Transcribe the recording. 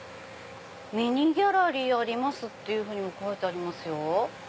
「ミニ・ギャラリーあります」って書いてありますよ。